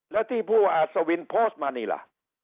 แล้วที่ผู้อัศวินโพสต์มานี่ล่ะ